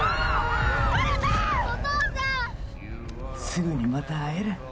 すぐにまた会える。